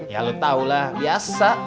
ya lo tahulah biasa